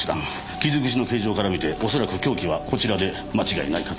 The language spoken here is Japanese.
傷口の形状から見ておそらく凶器はこちらで間違いないかと。